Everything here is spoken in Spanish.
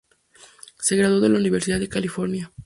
Se graduó de la Universidad de California.